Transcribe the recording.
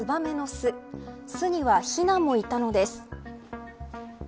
巣には、ひなもいたのです。